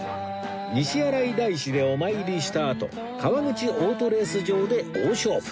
西新井大師でお参りしたあと川口オートレース場で大勝負